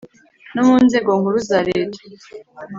no mu nzego nkuru za leta :